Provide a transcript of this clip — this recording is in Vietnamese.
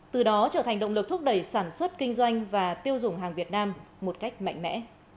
từ đó trở thành động lực thúc đẩy sản xuất kinh doanh và tiêu dùng hàng việt nam một cách mạnh mẽ